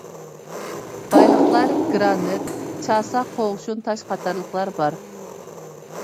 بايلىقلار گىرانىت، چاسا قوغۇشۇن تاش قاتارلىقلار بار.